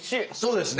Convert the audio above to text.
そうですね。